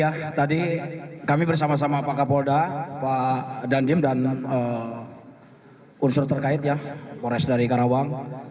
baik ya tadi kami bersama sama pak kapolda pak dandim dan unsur terkaitnya mores dari karawang